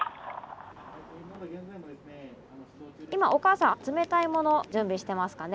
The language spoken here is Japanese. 今おかあさん冷たいもの準備してますかね？